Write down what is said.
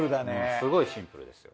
すごいシンプルですよ。